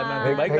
baik terima kasih